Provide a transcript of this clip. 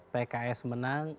dua ribu dua puluh empat pks menang